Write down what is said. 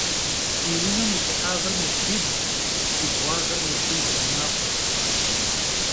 Di vunem yi ç'ıhağır mêtribğu, yi bğuağır mêtribl mexhu.